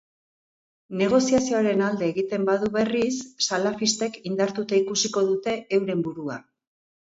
Negoziazioaren alde egiten badu, berriz, salafistek indartuta ikusiko dute euren burua.